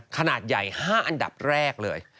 ขนาดใหญ่๕อันดับแรกเลย